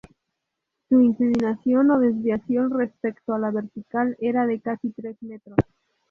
Su inclinación o desviación respecto a la vertical era de casi tres metros.